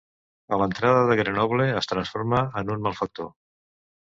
A l'entrada de Grenoble es transforma en un malfactor.